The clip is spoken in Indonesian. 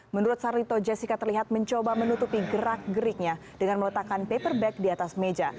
menurut sarlito jessica terlihat mencoba menutupi gerak geriknya dengan meletakkan paper bag di atas meja